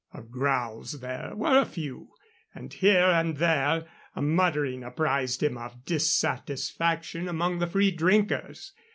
Of growls there were a few, and here and there a muttering apprised him of dissatisfaction among the free drinkers.